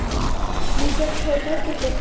নিচের ঠোঁটও কেটে যায়।